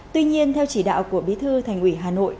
tuy nhiên theo chỉ đạo của bí thư thành ủy hà nội